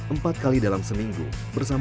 empat kali dalam seminggu bersama sama